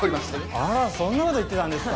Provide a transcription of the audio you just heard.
あらそんなこと言ってたんですか。